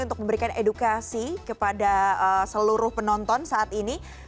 untuk memberikan edukasi kepada seluruh penonton saat ini